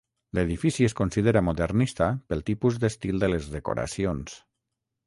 L'edifici es considera modernista pel tipus d'estil de les decoracions.